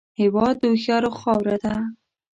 هېواد د هوښیارو خاوره ده